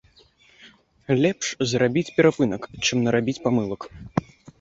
Лепш зрабіць перапынак, чым нарабіць памылак.